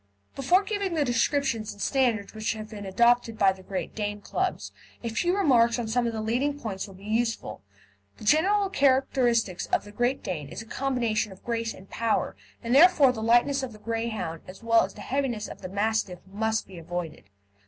Before giving the description and standard which have been adopted by the Great Dane Clubs, a few remarks on some of the leading points will be useful. The general characteristic of the Great Dane is a combination of grace and power, and therefore the lightness of the Greyhound, as well as the heaviness of the Mastiff, must be avoided.